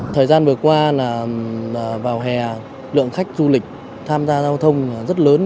thời gian vừa qua vào hè lượng khách du lịch tham gia giao thông rất lớn